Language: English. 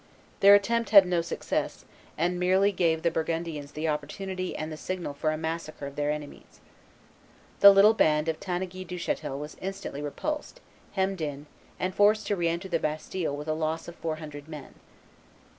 Their attempt had no success, and merely gave the Burgundians the opportunity and the signal for a massacre of their enemies. The little band of Tanneguy Duchatel was instantly repulsed, hemmed in, and forced to re enter the Bastille with a loss of four hundred men.